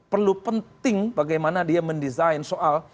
perlu penting bagaimana dia mendesain soal